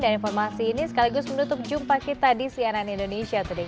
dan informasi ini sekaligus menutup jumpa kita di siaran indonesia today